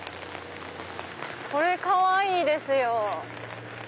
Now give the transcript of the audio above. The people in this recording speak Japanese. これかわいいですよ！